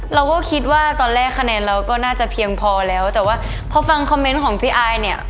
เราก็คิดว่าตอนแรกคะแนนเราก็น่าจะเพียงพอแล้วแต่ว่าพอฟังคอมเมนต์ของพี่อายเนี่ย